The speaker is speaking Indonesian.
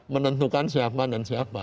menentukan siapa dan siapa